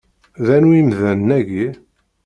D anwi imdanen-agi?